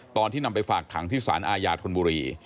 ตอนที่นำไปฝากขังที่สารอาญาธนบุรี